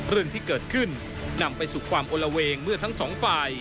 เรื่องที่เกิดขึ้นนำไปสู่ความโอละเวงเมื่อทั้งสองฝ่าย